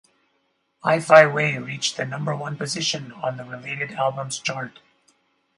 "Hi Fi Way" reached the number-one position on the related albums chart.